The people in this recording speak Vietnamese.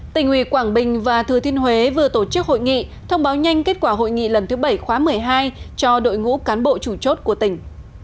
tỉnh ủy quảng bình và thừa thiên huế vừa tổ chức hội nghị thông báo nhanh kết quả hội nghị lần thứ bảy khóa một mươi hai cho đội ngũ cán bộ chủ chốt của tỉnh